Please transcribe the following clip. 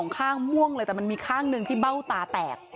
ข้างม่วงเลยแต่มันมีข้างหนึ่งที่เบ้าตาแตก